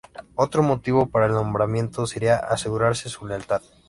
Otro motivo para el nombramiento sería asegurarse su lealtad.